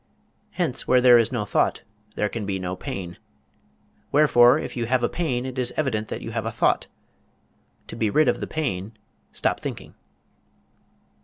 Hence where there is no thought there can be no pain. Wherefore if you have a pain it is evident that you have a thought. To be rid of the pain stop thinking.